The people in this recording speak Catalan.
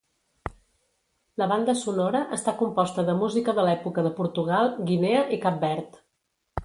La banda sonora està composta de música de l'època de Portugal, Guinea i Cap Verd.